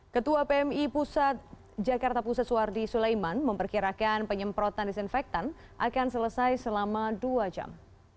ketua pmi pusat jakarta pusat wardi sulaiman memperkirakan penyemprotan disinfektan akan selesai selama dua jam